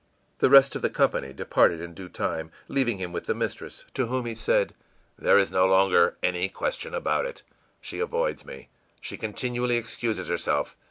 The rest of the company departed in due time, leaving him with the mistress, to whom he said: ìThere is no longer any question about it. She avoids me. She continually excuses herself.